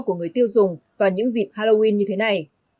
của người tiêu dùng vào những dịp halloween như thế này